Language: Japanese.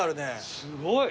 すごい。